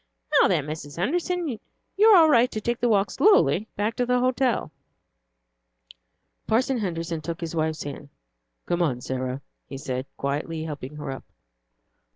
"Now, then, Mrs. Henderson, you are all right to take the walk slowly back to the hotel." Parson Henderson took his wife's hand. "Come, Sarah," he said, gently helping her up.